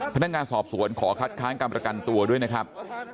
พนักงานสอบสวนขอคัดค้างการประกันตัวด้วยนะครับ